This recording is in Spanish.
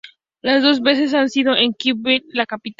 Las dos veces han sido en Kiev, la capital.